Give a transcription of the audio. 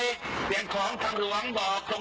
เสียงของทางหลวงบอกตรง